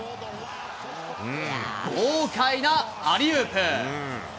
豪快なアリウープ。